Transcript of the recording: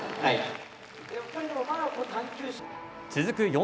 続く